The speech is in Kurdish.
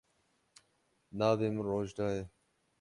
Navê min Rojda ye.